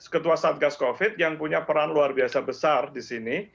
ketua satgas covid yang punya peran luar biasa besar di sini